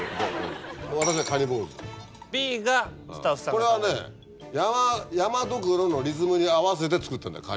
これはね「山髑髏」のリズムに合わせて作ったんだよ